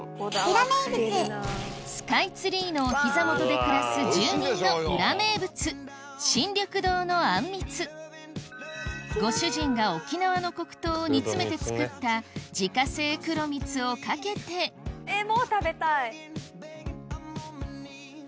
スカイツリーのお膝元で暮らす住人の裏名物ご主人が沖縄の黒糖を煮詰めて作った自家製黒蜜をかけてあっ。